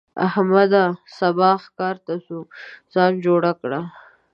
احمده! سبا ښکار ته ځو؛ ځان جوړ کړه.